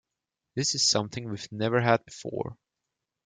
This is something we've never had before.